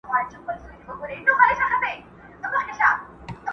o ډوډۍ که د بل ده نس خو دي خپل دئ!